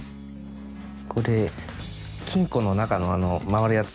これ金庫の中のあの回るやつ。